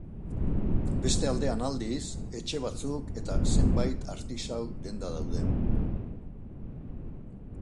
Beste aldean, aldiz, etxe batzuk eta zenbait artisau denda daude.